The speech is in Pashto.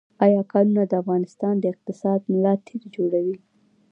آیا کانونه د افغانستان د اقتصاد ملا تیر جوړوي؟